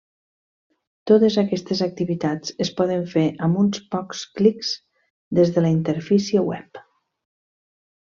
Totes aquestes activitats es poden fer amb uns pocs clics des de la interfície web.